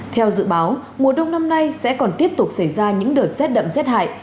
theo dự báo mùa đông năm nay sẽ còn tiếp tục xảy ra những đợt rét đậm rét hại